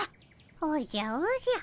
おじゃおじゃ。